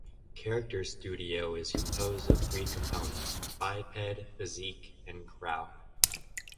Character studio is composed of three components: Biped, Physique, and Crowd.